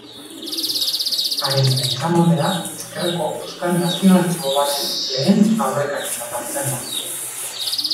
Haren pentsamoldea, ezkerreko euskal nazionalismo baten lehen aurrekaritzat hartzen da.